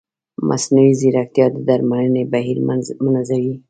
مصنوعي ځیرکتیا د درملنې بهیر منظموي.